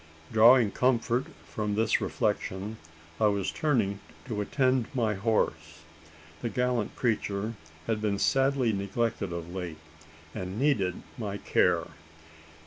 Drawing comfort from this reflection, I was turning to attend to my horse. The gallant creature had been sadly neglected of late, and needed my care.